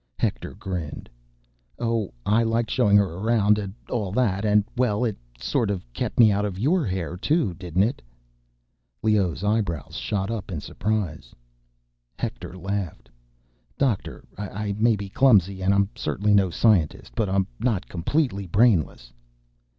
Hector grinned. "Oh, I liked showing her around, and all that—And, well, it sort of kept me out of your hair, too, didn't it?" Leoh's eyebrows shot up in surprise. Hector laughed. "Doctor, I may be clumsy, and I'm certainly no scientist ... but I'm not completely brainless."